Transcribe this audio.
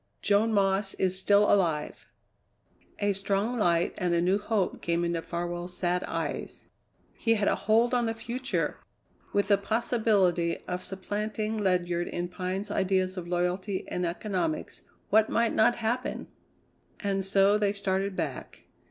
"Joan Moss is still alive." A strong light and a new hope came into Farwell's sad eyes. He had a hold on the future! With the possibility of supplanting Ledyard in Pine's ideas of loyalty and economics what might not happen? And so they started back.